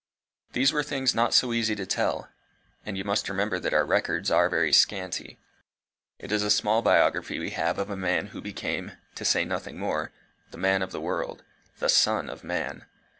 These were things not so easy to tell. And you must remember that our records are very scanty. It is a small biography we have of a man who became to say nothing more the Man of the world the Son of Man.